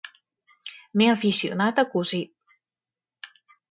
M'he aficionat a cosir.